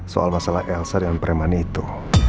soal masalah elsa dan premani itu